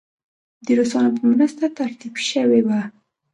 د روسانو په مرسته ترتیب شوې وه.